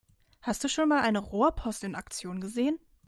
Hast du schon mal eine Rohrpost in Aktion gesehen?